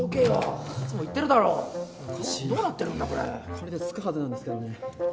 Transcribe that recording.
これでつくはずなんですけどね。